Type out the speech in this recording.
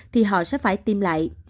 thì họ sẽ phải tiêm lại